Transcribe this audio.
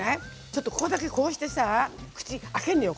ちょっとここだけこうしてさ口開けんのよ。